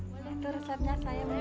boleh tuh resepnya saya mau